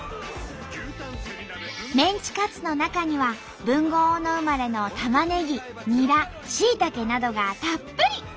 メンチカツの中には豊後大野生まれのたまねぎにらしいたけなどがたっぷり！